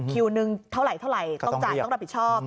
คิวนึงเท่าไหรเท่าไหร่ต้องจ่ายต้องรับผิดชอบ